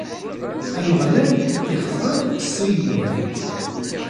Ameɣlal ixtar Ṣiyun.